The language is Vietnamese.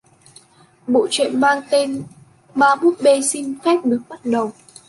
Bộ truyện mang tên ma búp bê xin được phép bắt đầu